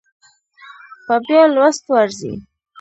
په بيا لوستو ارزي